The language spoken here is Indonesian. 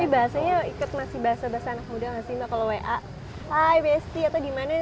tapi bahasanya ikut masih bahasa bahasa anak muda gak sih mbak kalau wa